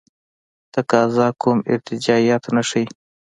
تقاضا کوم ارتجاعیت نه ښیي.